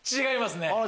違いますね。